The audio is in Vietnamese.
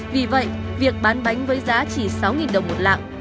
vì vậy việc bán bánh với giá chỉ sáu đồng một lạng